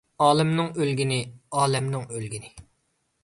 ئالىمنىڭ ئۆلگىنى ئالەمنىڭ ئۆلگىنى.